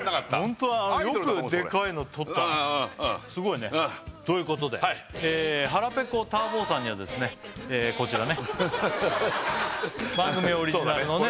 ホントよくデカいのとったすごいねうんということでええ腹ペコター坊さんにはですねええこちらね番組オリジナルのね